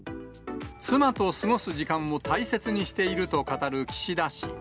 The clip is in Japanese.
妻と過ごす時間を大切にしていると語る岸田氏。